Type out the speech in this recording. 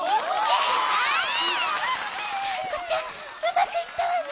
がんこちゃんうまくいったわね。